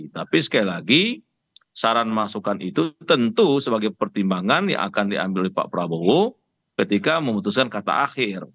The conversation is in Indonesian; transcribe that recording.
tapi sekali lagi saran masukan itu tentu sebagai pertimbangan yang akan diambil oleh pak prabowo ketika memutuskan kata akhir